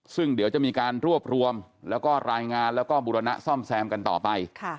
ซึ่งเดี๋ยวจะมีการรวบรวมแล้วก็รายงานแล้วก็บุรณะซ่อมแซมกันต่อไป